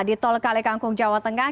di tol kalikangkung jawa tengah